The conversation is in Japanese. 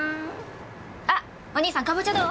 あっおにいさんかぼちゃどう？